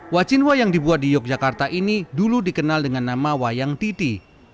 wacinwa yang dibuat di yogyakarta ini dulu dikenal dengan nama wayang titi